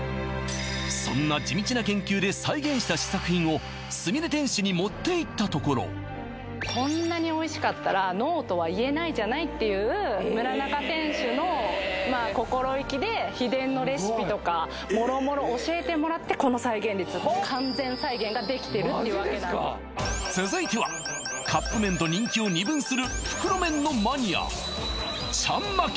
そんな地道な研究で再現した試作品をすみれ店主に持っていったところこんなにおいしかったらノーとは言えないじゃないっていう村中店主のまあ心意気で秘伝のレシピとかもろもろ教えてもらって続いてはカップ麺と人気を二分する袋麺のマニア